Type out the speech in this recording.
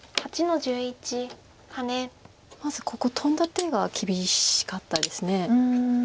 まずここトンだ手が厳しかったです。